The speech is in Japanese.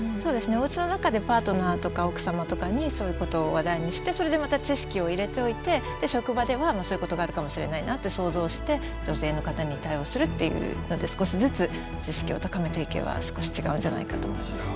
おうちの中でパートナーとか奥様とかにそういうことを話題にしてそれでまた知識を入れておいて職場ではそういうことがあるかもしれないなって想像して女性の方に対応するっていうので少しずつ知識を高めていけば少し違うんじゃないかと思います。